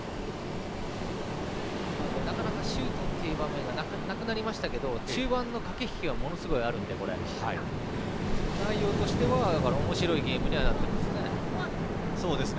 なので、なかなかシュートという場面がなくなりましたが中盤の駆け引きがものすごいあるので内容としてはおもしろいゲームになっていますね。